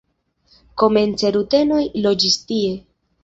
Komence rutenoj loĝis tie.